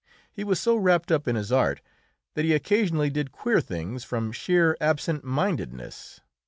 He was so wrapt up in his art that he occasionally did queer things from sheer absent mindedness.